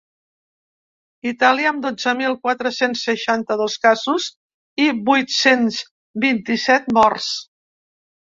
Itàlia, amb dotze mil quatre-cents seixanta-dos casos i vuit-cents vint-i-set morts.